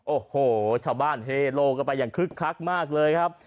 โอ้โหชาวบ้านเฮโลกันไปอย่างคึกคักมากเลยครับ